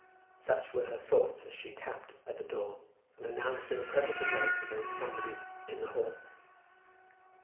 Such were her thoughts as she tapped at the door and announced in the presence of Grace that there was somebody in the hall.